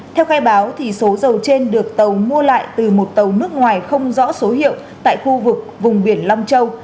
theo khai báo số dầu trên được tàu mua lại từ một tàu nước ngoài không rõ số hiệu tại khu vực vùng biển long châu